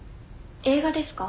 映画ですか？